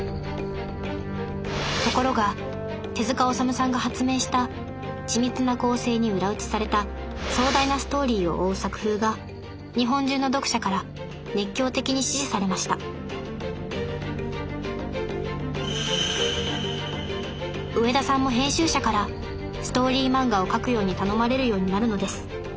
ところが手治虫さんが発明した緻密な構成に裏打ちされた壮大なストーリーを追う作風が日本中の読者から熱狂的に支持されました上田さんも編集者からストーリー漫画を描くように頼まれるようになるのです。